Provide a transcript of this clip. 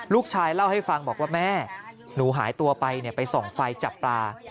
ลูกชายเล่าให้ฟังบอกว่าแม่หนูหายตัวไปไปส่องไฟจับปลา